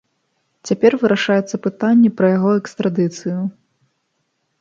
Цяпер вырашаецца пытанне пра яго экстрадыцыю.